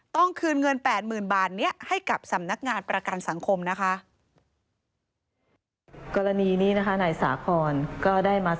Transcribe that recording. คืนเงิน๘๐๐๐บาทนี้ให้กับสำนักงานประกันสังคมนะคะ